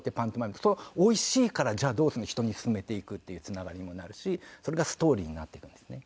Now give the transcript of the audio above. そうするとおいしいからじゃあどうするの人に薦めていくっていうつながりにもなるしそれがストーリーになっていくんですね。